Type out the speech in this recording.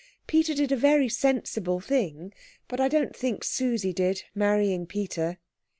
"Peter did a very sensible thing. But I don't think Susie did, marrying Peter."